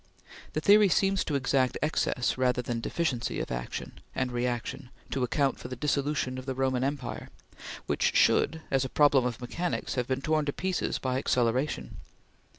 The theory seems to exact excess, rather than deficiency, of action and reaction to account for the dissolution of the Roman Empire, which should, as a problem of mechanics, have been torn to pieces by acceleration.